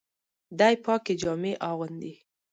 دی پاکي جامې اغوندي.